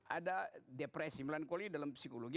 ada depresi melankoli dalam psikologi